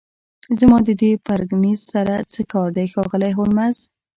زما د دې پرکینز سره څه کار دی ښاغلی هولمز